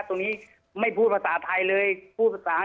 คุณเอกวีสนิทกับเจ้าแม็กซ์แค่ไหนคะ